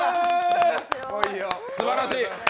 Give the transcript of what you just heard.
すばらしい！